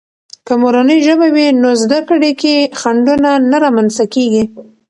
که مورنۍ ژبه وي، نو زده کړې کې خنډونه نه رامنځته کېږي.